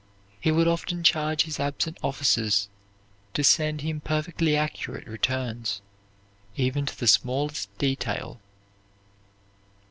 He would often charge his absent officers to send him perfectly accurate returns, even to the smallest detail.